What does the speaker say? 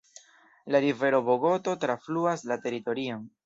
La rivero Bogoto trafluas la teritorion.